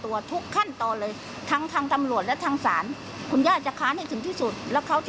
ว่ามันมาขมครูเรา